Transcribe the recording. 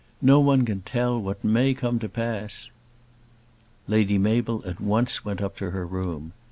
No one can tell what may come to pass." Lady Mabel at once went up to her room.